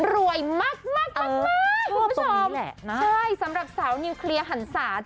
รวยมากมากคุณผู้ชมใช่สำหรับสาวนิวเคลียร์หันศาจ